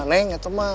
neng itu mah